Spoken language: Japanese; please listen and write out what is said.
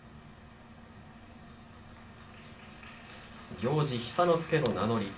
行司寿之介の名乗り。